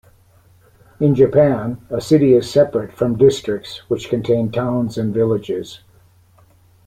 In Japan, a city is separate from districts, which contain towns and villages.